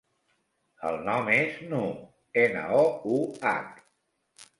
El nom és Nouh: ena, o, u, hac.